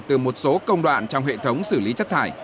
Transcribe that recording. từ một số công đoạn trong hệ thống xử lý chất thải